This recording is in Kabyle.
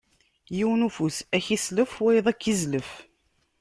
Yiwen ufus ad k-islef, wayeḍ ad k-izlef!